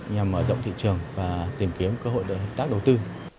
nhằm mở rộng thị trường và tìm kiếm cơ hội để hợp tác đầu tư